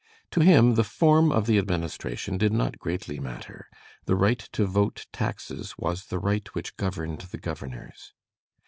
To him the form of the administration did not greatly matter: the right to vote taxes was the right which governed the governors.